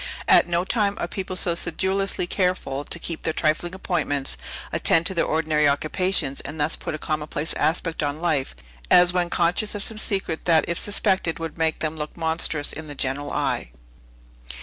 At no time are people so sedulously careful to keep their trifling appointments, attend to their ordinary occupations, and thus put a commonplace aspect on life, as when conscious of some secret that if suspected would make them look monstrous in the general eye.